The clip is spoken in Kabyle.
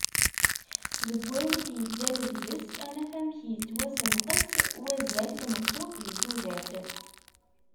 Deg wayen i d-yeddan deg-s, ad naf amek ittwasenqes wazal n tmeṭṭut di tudert.